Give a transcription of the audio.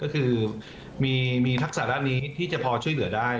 ก็คือมีทักษะด้านนี้ที่จะพอช่วยเหลือได้